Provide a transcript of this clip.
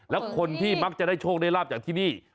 แล้วคนที่มักจะได้โชคได้ราบจากที่นี่